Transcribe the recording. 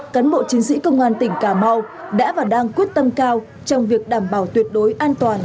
cán bộ chiến sĩ công an tỉnh cà mau đã và đang quyết tâm cao trong việc đảm bảo tuyệt đối an toàn